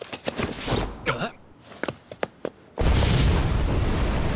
あっ。